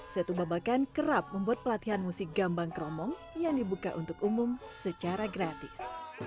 setu babakan kerap membuat pelatihan musik gambang kromong yang dibuka untuk umum secara gratis